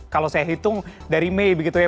kalau saya hitung dari mei begitu ya